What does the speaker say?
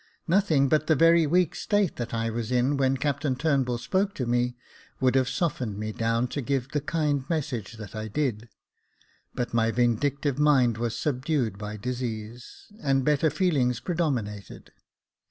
Nothing but the very weak state that I was in when Captain Turnbull spoke to me, would have softened me down to give the kind message that I did ; but my vindic tive mind was subdued by disease, and better feelings predominated.